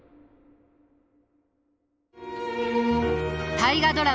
大河ドラマ